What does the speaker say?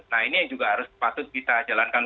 nah ini yang juga harus patut kita jalankan